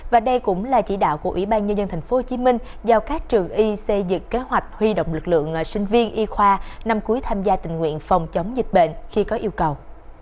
và đây cũng là chỉ đạo của ủy ban nhân dân tp hcm giao các trường y xây dựng kế hoạch huy động lực lượng sinh viên y khoa năm cuối tham gia tình nguyện phòng chống dịch bệnh khi có yêu cầu